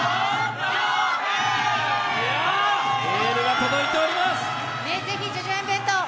エールが届いております！